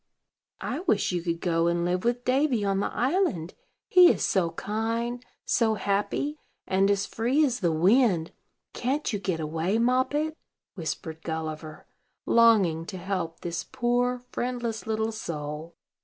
"I wish you could go and live with Davy on the island; he is so kind, so happy, and as free as the wind. Can't you get away, Moppet?" whispered Gulliver, longing to help this poor, friendless little soul.